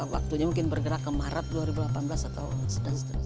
waktunya mungkin bergerak ke maret dua ribu delapan belas atau dan seterusnya